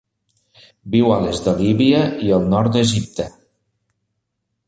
Viu a l'est de Líbia i el nord d'Egipte.